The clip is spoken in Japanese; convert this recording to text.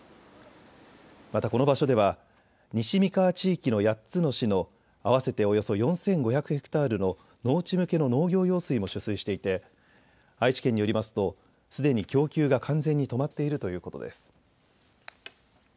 またこの場所では西三河地域の８つの市の合わせておよそ４５００ヘクタールの農地向けの農業用水も取水していて愛知県によりますとすでに供給が完全に止まっているということです。